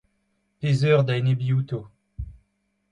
Pe zeur da enebiñ outo ?